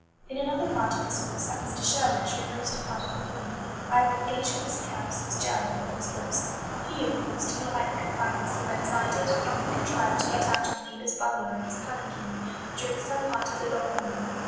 "In another part of this hall sat Mr. Sherwood during most part of the morning, either engaged with his accounts, his journal, or his books. He, of course, did not like the confinement so well as I did, and often contrived to get out to a neighbour's bungalow in his palanquin during some part of the long morning.